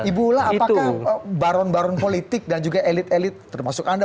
ibu ula apakah baron baron politik dan juga elit elit termasuk anda